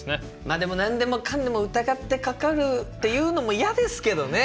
まあでも何でもかんでも疑ってかかるっていうのも嫌ですけどね。